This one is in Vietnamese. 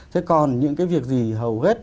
thế còn những cái việc gì hầu hết